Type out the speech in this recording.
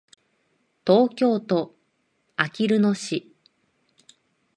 東京都あきる野市